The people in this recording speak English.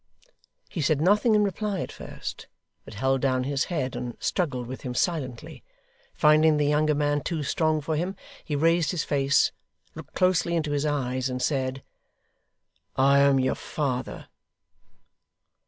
He said nothing in reply at first, but held down his head, and struggled with him silently. Finding the younger man too strong for him, he raised his face, looked close into his eyes, and said, 'I am your father.